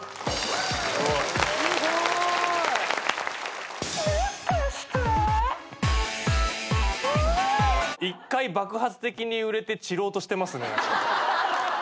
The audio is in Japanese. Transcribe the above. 「もっとして」１回爆発的に売れて散ろうとしてますね。